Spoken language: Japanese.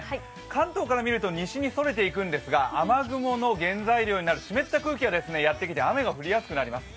関東から見ると西にそれていくんですが、雨雲の原材料になる湿った空気がやってきて雨が降りやすくなります